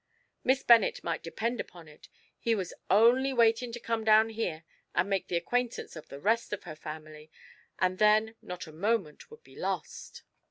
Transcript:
Miss Bennet might depend upon it, he was only waiting to come down here and make the acquaintance of the rest of her family, and then not a moment would be lost.